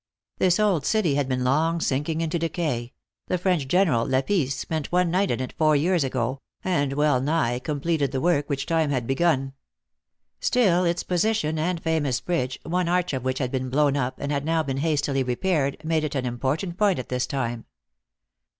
This old city had been long sinking into decay ; the French General, Lapisse, spent one night in it four years ago ; and well nigh completed the work which time had bui^mi. Still its position and its famous bridge, one arch of which had been blown up, and had now been hastily repaired, made it an important point at this time. THE ACTKESS IN HIGH LIFE.